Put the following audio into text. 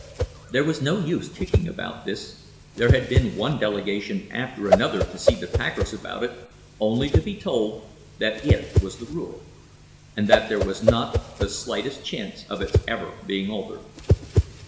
There was no use kicking about this—there had been one delegation after another to see the packers about it, only to be told that it was the rule, and that there was not the slightest chance of its ever being altered.